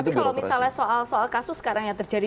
tapi kalau misalnya soal soal kasus sekarang yang terjadi